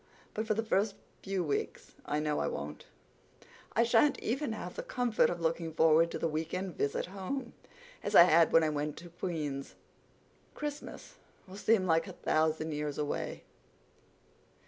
But for the first few weeks I know I won't. I shan't even have the comfort of looking forward to the weekend visit home, as I had when I went to Queen's. Christmas will seem like a thousand years away."